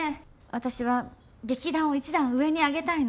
私は劇団を一段上に上げたいの。